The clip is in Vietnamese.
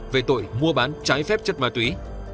về tội mua bán trái phép chất ma túy